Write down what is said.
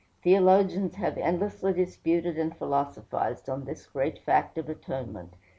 Theologians have endlessly disputed and philosophized on this great fact of atonement.